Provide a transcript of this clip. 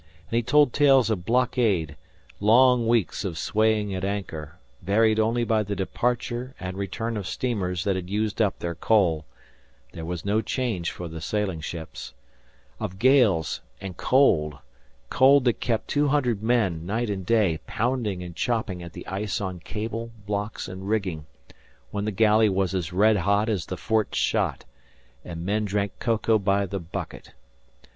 And he told tales of blockade long weeks of swaying at anchor, varied only by the departure and return of steamers that had used up their coal (there was no chance for the sailing ships); of gales and cold that kept two hundred men, night and day, pounding and chopping at the ice on cable, blocks, and rigging, when the galley was as red hot as the fort's shot, and men drank cocoa by the bucket.